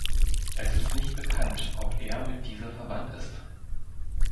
Es ist nicht bekannt, ob er mit dieser verwandt ist.